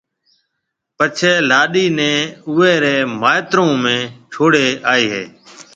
پڇيَ لاڏِي نيَ اوئيَ رَي مائيترون ۾ ڇوڙھيََََ آئيَ ھيََََ